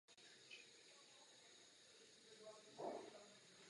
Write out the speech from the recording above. Na tuto palubu mohly být přidávány další stavby.